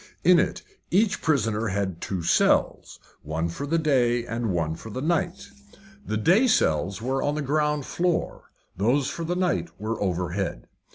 In it each prisoner had two cells, one for the day and one for the night. The day cells were on the ground floor, those for the night were overhead.